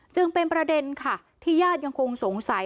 จึงเป็นประเด็นค่ะที่ญาติยังคงสงสัย